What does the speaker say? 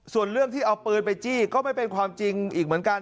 ส่วนเรื่องที่เอาปืนไปจี้ก็ไม่เป็นความจริงอีกเหมือนกัน